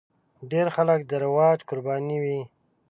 ډېر خلک د رواج قرباني وي.